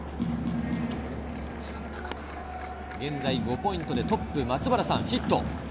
現在、５ポイントでトップ、松原さんはヒット。